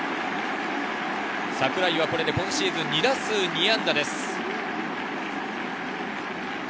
櫻井はこれで今シーズン２打数２安打です。